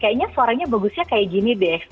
kayaknya suaranya bagusnya kayak gini deh